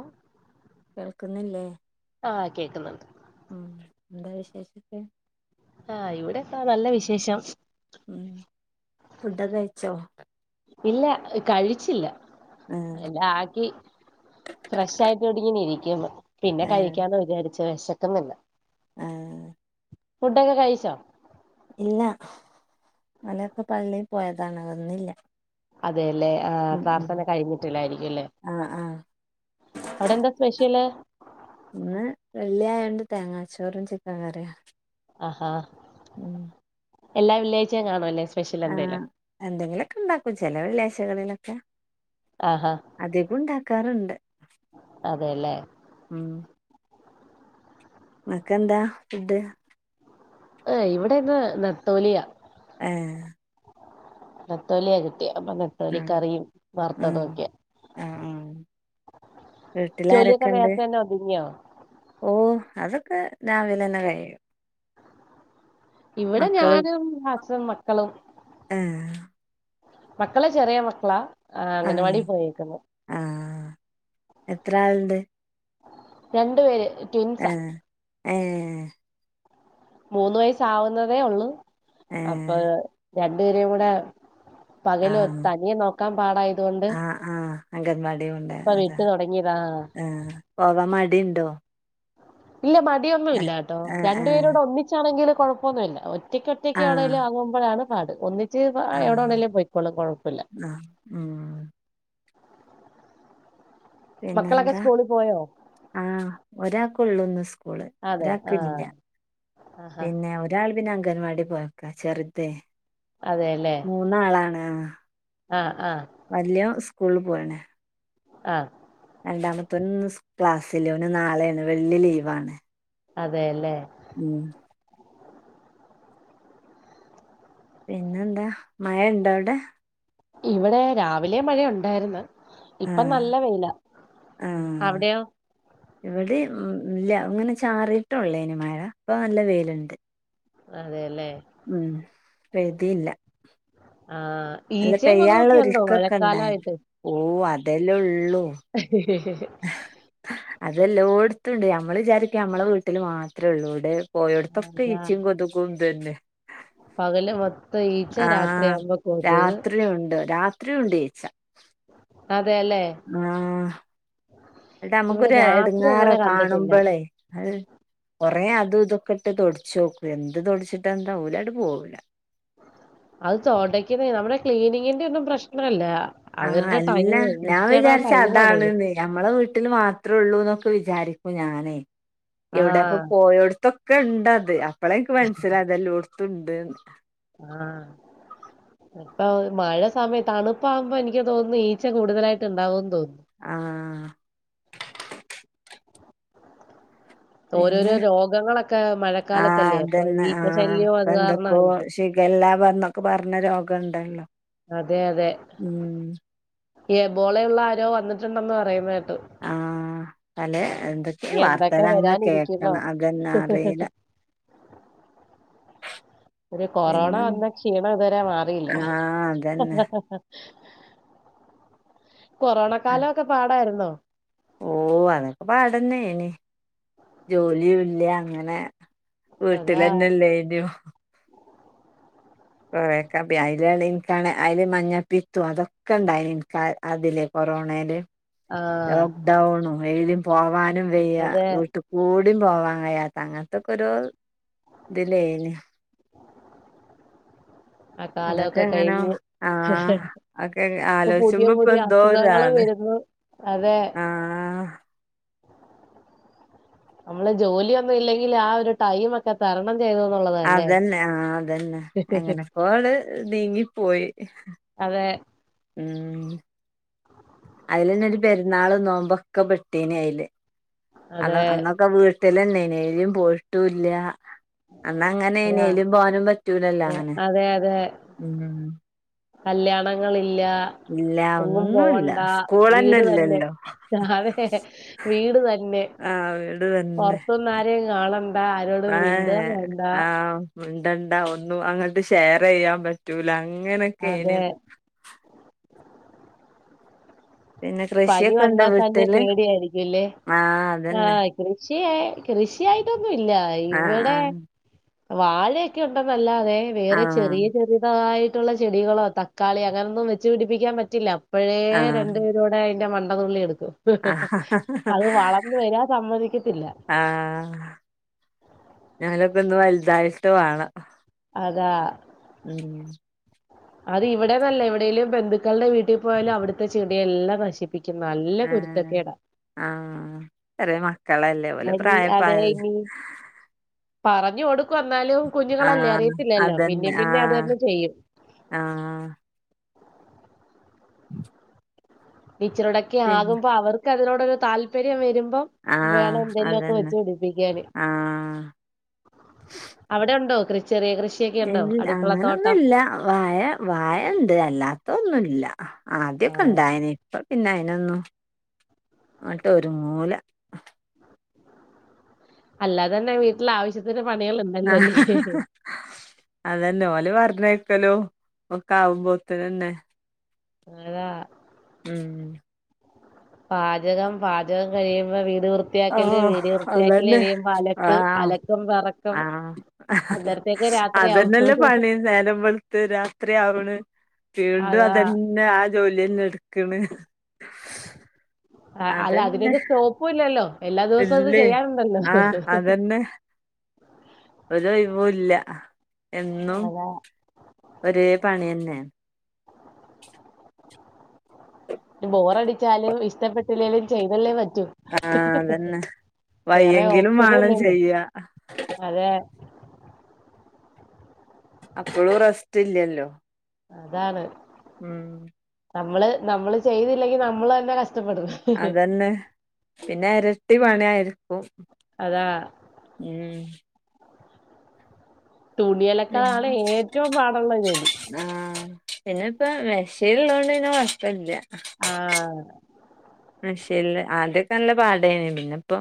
ഓഹ് കേൾക്ക്ന്നില്ലേ ആഹ്‌ കേക്ക്ന്ന്ണ്ട് ഉം എന്താ വിശേഷിച്ച് ആഹ് ഇവിടെന്താ നല്ല വിശേഷം ഉം ഫുഡൊക്കെ കയ്ച്ചോ ഇല്ല കഴിച്ചില്ല ഉം എല്ലാ ആക്കി ഫ്രഷായിട്ടിവിടിങ്ങെനെ ഇരിക്ക്യുന്നു പിന്നെ ഏഹ് കഴിക്കാന്ന് വിചാരിച്ച് വെശെക്ക്ന്ന്ല്ല ആഹ്‌ ഫുഡൊക്കെ കഴിച്ചോ ഇല്ല ഇവലൊക്കെ പള്ളീ പോയതാണ് വന്നില്ല അതേല്ലേ ആഹ്‌ ഉം ഉം പ്രാർത്ഥന കഴിഞ്ഞിട്ടില്ലായിരിക്ക്യും അല്ലേ ആഹ് ആഹ് അവിടെ എന്താ സ്പെഷ്യെല് ഇന്ന് വെള്ള്യായോണ്ട് തേങ്ങാച്ചോറും ചിക്കൻ കറിയും ആഹാ ഉം എല്ലാ വെള്ള്യാഴ്ചേം കാണു അല്ലേ സ്പെഷ്യെലെന്തേലും എന്തെങ്കിലൊക്കെണ്ടാക്കും ചെലെ വെള്ള്യായ്ചകളിലൊക്കെ ആഹാ അധികും ണ്ടാക്കാറ്ണ്ട് അതേല്ലേ ഉം ങ്ങെക്കന്താ ഫുഡ് ഏഹ് ഇവിടെ ഇന്ന് നത്തോലിയാ ഏഹ് നെത്തോലിയ കിട്ട്യേ അപ്പം ങ്ങ ഉം ഉം ആഹ് ആഹ് ജോലിയൊക്കെ വീട്ടിലാരൊക്കെണ്ട് നേരത്തെ തന്നെ ഒതുങ്ങിയോ ഓഹ്‌ അതൊക്കെ രാവിലെന്നെ കഴിയും ഇവ്ടെ മക്കള് ഞാനും ഹസ്സും മക്കളും ഏഹ്‌ മക്കള് ചെറിയ മക്കളാ ആഹ് അംഗനവാടി പോയേക്ക്ന്ന് ആഹ്‌ എത്ര ആൾണ്ട് രണ്ട് പേര് ട്വിൻസാ ആഹ്‌ ഏഹ്‌ മൂന്ന് വയസ ആാവുന്നതേ ഉള്ളു അപ്പൊ ഏഹ് രണ്ടുപേരേ കൂടെ പകൽ തനിയെ നോക്കാൻ പാടായതുകൊണ്ട് ആഹ്‌ അങ്കൻവാടിയും ഉണ്ട് ഇപ്പൊ അതെ വിട്ടു തുടങ്ങിയതാ ആഹ്‌ പോവാൻ മടി ഉണ്ടോ ഇല്ല മടൊന്നുമല്ല കേട്ടോ ആഹ് രണ്ടു ആഹ് പേരൂടെ ഒന്നിച്ചാണെങ്കില് കൊഴപ്പൊന്നുമില്ല ഒറ്റയ്ക്ക് ഒറ്റ ഒക്ക ആഹ് എവിയേലും വാങ്ങുമ്പോഴാണ് പാട് ഒന്നിച് ആഹ് എവിടെണെങ്കലും പോയിക്കോളും കുഴപ്പമില്ല ആഹ് ഉം മക്കളൊക്കെ സ്കൂളിൽ പോയോ ആഹ്‌ ഒരാൾക്കള്ളൂന്ന് സ്കൂള് ഒരാക്ക ഇല്ല ആഹ്ഹ് പിന്നെ ഒരാൾ പിന്നെ അംഗൻവാടി പോയക്ക ചെറുതെ അതെല്ലേ മൂന്നാളാണ് ആഹ്‌ ആ ആ വലിയൊന് സ്കൂളിൽ പോയണേ ആഹ്‌ രണ്ടാമത്തെ ഓൻ ഇൻ ക്ലാസ്സില് ഇല്ല നാളെയാണ് വെള്ളി ലീവാണ് അതെല്ലേ ഉം പിന്നെന്താ മഴ ഇണ്ടോ അവിടെ ഇവിടെ രാവിലെ മഴയ ഉണ്ടായിന്ന് ഇപ്പൊ ആഹ് നല്ല വെയില അവിടെയോ ഇവിടെല്ല അങ്ങനെ ചാറിട്ടള്ളതിന് മര അപ്പൊ നല്ല വെലുണ്ട് അതെല്ലേ ഉം വേദിയില്ല ആഹ് നല്ല ഈച്ചയും പെയ്യാനുള്ള കൊതുകൊക്കെ ഉണ്ടോ ഒക്കൊക്കെ ഉണ്ടായി മഴക്കാലമായിട്ട് ഓ അതെലേള്ളൂ അതെല്ലോോടുത്തണ്ട് ഞമ്മൾ വിചാരിക്ക നഞമ്മളെ വീട്ടിൽ മാത്രമേ ഉള്ളൂ ഇടെ പോഓ എവിടുത്തപ്പ അതാ ച്ചിങ്ങ ദക്കം തന്നെ പകല് മൊത്തം ഈച്ച ആഹ് രാത്രിയാകുമ്പോ കൊതുക് രാത്രി ഉണ്ട് രാത്രിുണ്ട് ചേച്ച അതെല്ലേ ആഹ് എന്നട്ട് ഇവിടെ നമ്മുക്കൊരു രാത്രി അങ്ങനെ എടുങ്ങാറാ കണ്ടിട്ടില്ല കാണുമ്പോളേ അത കൊറേ അതും ഇതൊക്കെ ഇട്ട് തൊടച്ച് നോക്കും എന്ത് തൊടിച്ചിട്ട എന്താവലായിട്ട് പോവില്ല അത് തോടയ്ക്കുന്ന നമ്മുടെ ക്ലീനിങ്ങിന്റെ ഒന്നും പ്രശ്നല്ല ആഹ് അല്ല ഞാൻ വിചാരിച്ച അതാണ് ടൈമാണത് ന്ന് ഞമ്മളെ വീട്ടിൽ മാത്രമേ ഉള്ളൂ എന്നൊക്കെ വിചാരിക്കൂ ഞാനേ ഇവിടെക്ക ആഹ് പോയടത്തൊ ഒക്കെ ഉണ്ട് അത് അപ്പോള എനിക്ക് മനസ്സിലായി അതെല്ലാം കൊടുത്തണ്ട് ആഹ് അപ്പൊ മഴ സമയം തണുപ്പകുമ്പോ എനിക്ക് തോന്നുന്നു ഈച്ച കൂടുതലായിട്ട് ഉണ്ടാവോന്ന് തോന്നുന്നു ആഹ് ഓരോരോ പിന്നെ രോഗങ്ങളൊക്കെ ആഹ് മഴക്കാലത്തല്ലേ അപ്പൊ അതന്നെ ഈച്ച ആഹ് ശല്യവും അത് എന്തക്കോ കാരണായിരിക്കും എല്ലാം പറന്നൊക്കെ പറഞ്ഞ രോഗം ഉണ്ടല്ലോ അതെ അതെ ബോളെയുള്ള ആരോ വന്നിട്ടുണ്ടെന്ന് പറയുന്നത കേട്ട് ആഹ് പല എന്തൊക്കെ ഇനി വാർത്തൽ എന്തൊക്കെ അങ്ങ് വരാനിരിക്കുന്നോ കേക്കണം അതന്നെ അറിയില്ല ഒരു കൊറോണ പിന്നെ വന്ന ക്ഷീണം ഇതുവരെ മാറില്ല ആഹ് അതന്നെ കൊറോണ കാലമൊക്കെ പാടായിരുന്നോ? ഓഹ് അതൊക്കെ പാടന്നനി ജോലിയല്ല അങ്ങനെ അതാ വീട്ടിലന്നെല്ല നയോ കൊറെേക്ക അല ഇ കാ അല് മഞ്ഞപ്പിത്തും അതൊക്കെ ഉണ്ടായി അതില് കൊറോണയില് ആഹ് ലോക്ക്ഡൗണും എഴുതും പോവാനും വയ്യ അതെ വീട്ട കൂടും പോവാൻ കഴിയാത്ത അങ്ങനത്തൊക്കെ ഒരു ഇതിലന് അഹ് അതൊക്കെ കാലൊക്കെ എങ്ങനെ കഴിഞ്ഞ് ആഹ് ഒക്കെ ഇപ്പ പുതിയ ആലോചിച്ചുമ്പോ ഇപ്പൊ പുതിയ അസുഖങ്ങൾ എന്തോരാണ് വരുന്നു അതെ. ആഹ് നമ്മൾ ജോലിയൊന്നും ഇല്ലെങ്കിൽ ആ ഒരു ടൈം ഒക്കെ തരണം ചെയ്തന്നുള്ളതല്ലേ ഇപ്പോഅവളൾ നീങ്ങി പോയി. അതെ. ഉ [inaudible] അതിലന്നെ ഒരു പെരുന്നാള് നോമ്പൊക്കെ പെട്ടീന് അതില് അതെ അഹ് അന്നൊക്കെ വീട്ട ല എനേലും പോയിട്ടുംല്ല. അ ന്ന അങ്ങനെ എ അതാ യി ലും പോവാനും പറ്റു ചൂലല്ല അങ്ങനെ അതെ അതെ ഉം. കല്യാണങ്ങളില്ല. ഇല്ല എങ്ങും ഒന്നുല്ല പോകണ്ട സ്കൂളന്നെ വീട് തന്നെ ഇല്ലല്ലോ ആതെ വീട് തന്നെ ആഹ് വീട് തന്നെ പൊറത്തുഒന്നും ആരേ കാണണ്ടാ, ആരോടും മിണ്ട വേണ്ടാ. മി ണ്ടണ്ട ഒന്നും അങ്ങട്ട് ഷെയർ ചെയ്യാൻ പറ്റൂല, അങ്ങനൊക്കെ എന്. അതെ പിന്നെ പനി കൃഷിയൊക്കെ വന്നാ ഉണ്ടോ തന്നെ വീട്ടില് പേടിയായിരിക്കുംല്ലേ ആഹ് ആ അതന്നെ കൃഷിയ കൃഷിയായിട്ടൊന്നും ഇല്ല ആഹ് ഇവിടെ ആഹ് വാഴയൊക്കെ ഉണ്ടെന്നല്ലാതെ വേറെ ചെറിയ ആഹ് ചെറിയതായ ചെടികളോ തക്കാളി അങ്ങനോന്നും വെച്ച് പിടിപ്പിക്കാൻ പറ്റില്ല അപ്പോഴേ രണ്ട് ആഹ് കൂടെ ന്റെ മണ്ടനുള്ളി എടുക്കും ഹ് ഹ് ഹാ ആഹ് അത് വളർന്ന് വെരാൻ സമ്മതിക്കത്തില്ല. ആ. ഞാനൊക്കെ ഒന്ന് വൽതായിട്ട് വാണം. അതാ.. [inaudible] അത് ഇവിടെന്നല്ല എവിടെലും ബന്ധുക്കളുടെ വീട്ടിൽ പോയാലും അവിടുത്തെ ചെടിയെല്ലാം നശിപ്പി നൽ [unintelligible] ആ ആ ചെറിയ മക്കളല്ലേ, ഓലെ അനി പ്രായപ അ അതെ ത് ല്ലെ. ഇനി പറഞ്ഞു കൊടുക്കു അന്നാലും കുഞ്ഞുങ്ങളല്ലേ ആഹ്. അറിയത്തില്ലല്ലോ പിന്നേും പിന്നെ അത് തന്നെ ചെയ്യും. ആ. ടീച്ചറോടൊക്കെ പിന്നെ ആകുമ്പോ അവർക്ക് അതിനോടൊരു താല്പര്യം വെരുമ്പം ആഹ്. വേണം ന്തെലു ഒക്കെ അതന്നെ. വെച്ചു പിടിപ്പിക്കാന്. ആഹ്. അവിടെ ഉണ്ടോ കൃ ചെറിയ കൃഷി? എത് അങ്ങനൊന്നുല്ല വാഴ വാഴ ണ്ട് അ ല്ലാത്ത ഒന്നുല്ല. ആദ്യാ ക്കെ ആഹ് ണ്ടായിനി ഇപ്പ പിന്നെ അയിനൊന്നു ആട്ട് ഒരുങ്ങൂല. അല്ലാതെന്നെ വീട്ടിൽ ആവശ്യത്തിന് പണികൾഉണ്ട് ആ ഹ് ഹ് ഹ് ഹ് അതെന്നെ ഓല് പറഞ്ഞേക്കലൂ ഒക്കാവുമ്പോത്ത്നെ ന്നെ [inaudible] ഉം.. പാചകം പാചകം കഴിയുമ്പോ വീട് വൃ ർ ത്തിക്കല് ആഹ്. വീട് വൃത്തിയാക്കല്, അതന്നെ. [unintelligible] അലക്ക് ആഹ്. അലക്കം വറക്കം ആഹ്. അതന്നെല്ലേ പണി നേരമ്പെൾത്ത് രാത്രി ആവ്ണ്. വീണ്ടും അതാ അതെന്നെ ആ ജോലിന്നെ എട്ക്ണ്. [inaudible] ആ അല്ല അതന്നെ അതിനൊരു സ്റ്റോപ്പു ഇല്ലല്ലോ. എല്ലാ ദിവസവും ത് ഇല്ലേ ചെയ്യാറുണ്ടല്ലോ ഹ് ആഹ് ഹ് ഹ്. ഒരു ഒയ് വുല്ല എന്നും അതാ ഒരേ പണി ന്നെണ്. ബോറടിച്ചാലും ഇഷ്ടപ്പെട്ടില്ലെലും ചെയ്തല്ലേ പറ്റു. ആ അതെന്നെ വയ്യെങ്കിലും ഓപ്ഷനും മാണം ഇല്ലല്ലോ. ചെയ്യ. അതെ. അപ്പളു റസ്റ്റ് ഇല്ലല്ലോ. അതാണ്. ഉം നമ്മള് നമ്മള് ചെയ്തില്ലെങ്കി നമ്മള് തന്നെ കഷ്ടപ്പെട അതെന്നെ പിന്നെ എരട്ടി പണി ആരിക്കും അതാ മ് തുണിയലക്കാലാണ് ഏറ്റവും പാടുള്ള ജോലി. ആഹ് പിന്നെ ഇപ്പ മെഷീള്ളോണ്ട്ന്നെ കൊഴപ്പല്ല. ആഹ് മെഷീല് ആദ്യൊക്കെ നല്ല പാടായ്നി പിന്നെ ഇപ്പൊ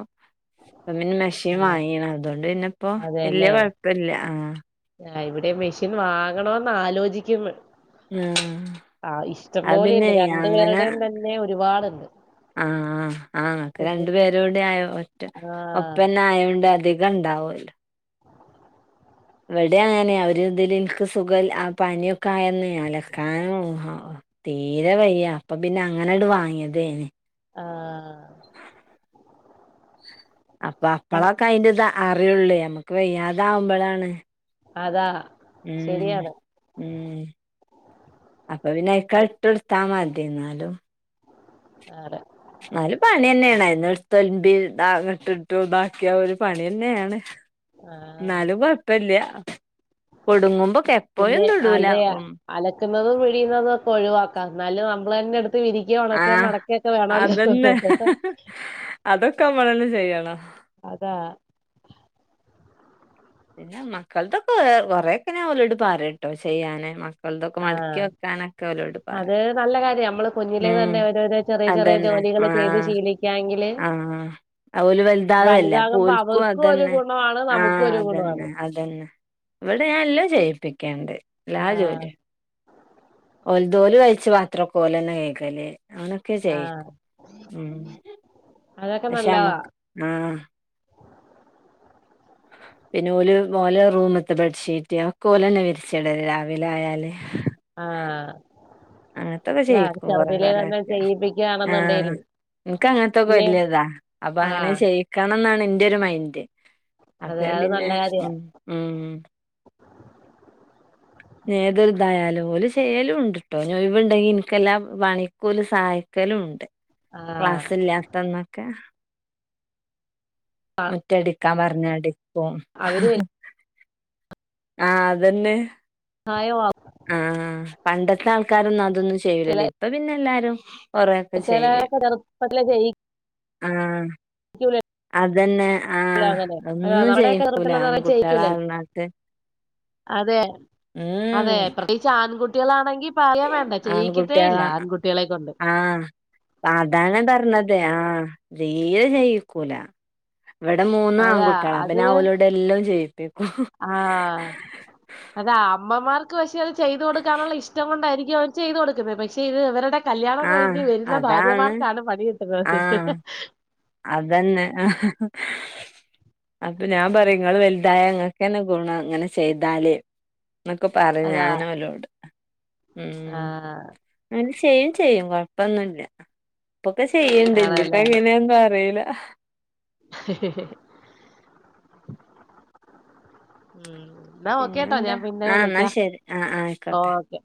പിന്നെ മെഷി ആഹ് [unintelligible] അതുകൊണ്ട് തന്നെ ഇപ്പോ വല്യ കൊഴപ്പില്ല ആഹ് ആ ഇവിടെ മെഷീൻ വാങ്ങണോന്ന് ആലോചിക്കുന്ന്. ആഹ് ആ അത് ഇഷ്ടംപോലെണ്ട് പിന്നെ രണ്ടു അങ്ങനെ പേരുടെയും തന്നെ ഒരുപാട്ണ്ട്. ആഹ് ആഹ് രണ്ട് പേരൂടി ആയ ഒറ്റ ആഹ് ഒപ്പന്നെ ആയോണ്ട് അധി രണ്ടാവൊല്ലോ ഇവടെ അങ്ങനെ അവര് ഇതില് ഇൻക്ക് സുഖം ആ പനിയൊക്കെ ആയെന്നെ അലക്കാനും ആ തീരെ വയ്യ അപ്പൊപ്പിന്നെ അങ്ങനെ ഇങ്ങ്ട് വാങ്ങി എന്തിയ്യാനെ ആഹ് അപ്പൊ അപ്പളൊക്കെ അയിന്റിത് അറിയുള്ളേ നമ്മക്ക് വയ്യാതാവുമ്പൊഴാണ് അതാ ഉം ശരിയാണ് ഉം അപ്പൊ പിന്നെ ഇക്കാ ഇട്ടുടുത്താ മതി തി എന്നാലും ആഹ് അങ്ങ്ട് എന്നാലും പണിയന്നെയാണ് [unintelligible] ഇിട്ടിട്ട് ഇതാക്കിയ ഒരു പണിയന്നെയാണ് ആഹ് എന്നാലും കൊഴപ്പില്ല കൊടുങ്ങുമ്പോക്കെ പിന്നെ എപ്പോഴും ഇടൂല അതെ ഉം അലക്കുന്നതും പിഴിയുന്നതും ഒക്ക ഒഴിവാക്കാം എന്നാലും നമ്മളന്നെ എടുത്ത് വിരി ആഹ് അതന്നെ അതൊക്ക നമ്മളന്നെ ചെയ്യണം അതാ പിന്നെ മക്കൾത്തൊക്ക കൊറേക്ക ഞാൻ അവരോട് പറയുട്ടോ ചെയ്യാന് മക് [unintelligible] മട്ക്കി ആഹ് വെക്കാനൊക്ക അവരോട് അത് പറയും നല്ല കാര്യാം നമ്മള് കുഞ്ഞിലെ ഉം തന്നെ ഓരോരോ ചെറിയ ചെറിയ അതന്നെ ജോലികള് ചെയ്ത് ആഹ് ശീലിക്കാങ്കില് ആഹ് ഓല് വലുതാവല്ലേ അപ്പൊ വലുതാകുമ്പോ ഓൽക്കും അവർക്കും ഒരു അതന്നെ ഗുണവാണ് നമുക്കും ആഹ് ഒരു ഗുണവാണ് അതന്നെ ഇവിടെ ഞാൻ എല്ലാം ചെയ്യിപ്പിക്കിണ്ട് എല്ലാ ആഹ് ജോലിയും ഓല് ദോല് കഴിച്ച പാത്രക്കെ ഓലന്നെ കഴകു അല്ലേ അവനൊക്കെ ആഹ് ചെയ്യും ഉം അതൊക്കെ പക്ഷെ നല്ലതാ നമ്മക്ക് ആഹ് പിന്നെ ഓല് ഓലെ റൂമത്തെ ബെഡ്ഷീറ്റ് ഒക്ക ഓലന്നെ വിരിച്ചിടല് രാവിലെ ആയാല് ആഹ് അങ്ങനത്തൊക്കെ ഇതാ ചെയ്യിക്കും കൊറെ ചെറുതിലേ തന്നെ ചെയ്യിപ്പിക്ക ആണെന്നൊണ്ടേല് എൻക്ക് അങ്ങനത്തൊക്ക വലിയ ഇതാ അപ്പൊ അങ്ങനെ ആഹ് ചെയ്യിക്കണംന്നാണ് എന്റൊരു മൈൻഡ് അതെ [unintelligible] അത് പിന്നെ നല്ല കാര്യ ഉം ഉം ഉം ഏത് ഇതായാലും ഓല് ചെയ്യലുംണ്ട്ട്ടോ [unintelligible] ഇണ്ടെങ്കി നിക്കെല്ലാം പണിക്കൂലും സഹായിക് ക്കലും ഉണ്ട് ആഹ് ക്ലാസ്സില്ലാത്തന്നൊക്കെ മുറ്റടിക്കാൻ പറഞ്ഞാ അടിക്കും അവര് വലിയ ആഹ് അതന്നെ ആയോ വാ ആഹ് ആഹ് പണ്ടത്തെ ആൾക്കാരൊന്നും അതൊന്നും ചെയ്യൂലല്ലോ ഇപ്പ പിന്നെ എല്ലാരും കൊറെയൊക്കെ ചെയ്യും ചെലവരൊക്ക ചെറുപ്പത്തിലേ ചെയ്യി ആഹ് അതന്നെ ആഹ് ഒന്നും നമ്മുടെയൊക്കെ ചെയ്യിക്കൂല ചെറുപ്പത്തിലെന്ന് ആണ് പറഞ്ഞാ ചെയ്യിക്കൂലല്ലോ കുട്ടികളാണെന്നട്ട് അതെ മ് അതേ പ്രത്യേകിച്ച് ആൺകുട്ടികളാണെങ്കി പറയേം വേണ്ട ചെയ്യിക്കത്തേ ആൺകുട്ടികള ഇല്ല ആൺകുട്ടികളെ കൊണ്ട് ആഹ് അതാ ഞാൻ പറഞ്ഞത് ആഹ് തീരെ ചെയ്യിക്കൂല ഇവടെ മൂന്ന് അതാ ആൺകുട്ടികളാ അപ്പ അത് പിന്നെ അവലോട എല്ലോം ചെയ്യിപ്പി ആഹ് അത് അമ്മമാർക്ക് പക്ഷെ അത് ചെയ്ത് കൊടുക്കാനുള്ള ഇഷ്ടം കൊണ്ടായിരിക്കും അവര് ചെയ്ത് കൊടുക്കുന്നത് പക്ഷെ ഇത് ഇവരുടെ കല്യാണം ആഹ് കഴിഞ്ഞ് വരുന്ന അതാണ് ഭാര്യമാർക്കാണ് പണി കിട്ടുന്നത് ആഹ് അതന്നെ ആഹ് അപ്പൊ ഞാൻ പറയും ഇങ്ങള് വലുതായ ഇങ്ങക്കന്നെ ഗുണം അങ്ങനെ ചെയ്താല് ന്നൊക്ക പറയും അതാ ഞാനവലോട് ഉം ആഹ് അങ്നെ ചെയ്യേം ചെയ്യും കൊഴപ്പൊന്നുല്ല ഇപ്പൊക്കെ ചെയ്യണ്ട് ഇനിയിപ്പ ആണല്ലേ എങ്ങനേന്നും അറിയില [inaudible] ഉം ന്നാ ഓക്കെട്ടോ പിന്നെന്താ ഞാൻ പിന്നെ ആ എന്നാ വിളിക്ക ശരി ആ ആ ഓ ആയിക്കോട്ടെ ഓക്കെ